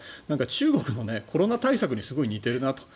中国のコロナ対策にすごく似ているなと。